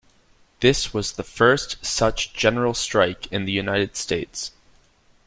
This was the first such general strike in the United States.